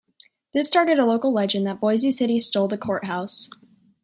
This started a local legend that Boise City stole the courthouse.